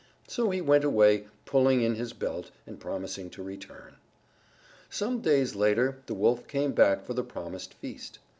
So he went away pulling in his belt and promising to return. Some days later the Wolf came back for the promised feast.